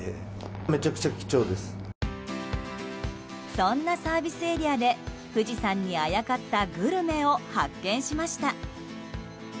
そんなサービスエリアで富士山にあやかったグルメを発見しました。